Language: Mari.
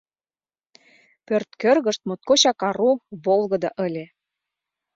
Пӧрт кӧргышт моткочак ару, волгыдо ыле.